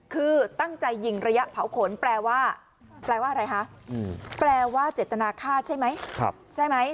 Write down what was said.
คือตั้งใจยิงระยะเผาขนแปลว่าแปลว่าอะไรคะแปลว่าเจตนาฆ่าใช่ไหมใช่ไหม